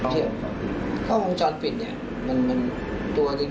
ที่กล้องจอนปิดมันตัวจริง